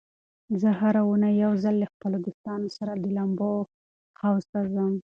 زه هره اونۍ یو ځل له خپلو دوستانو سره د لامبو حوض ته ځم.